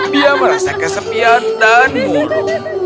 dia merasa kesepian dan buruk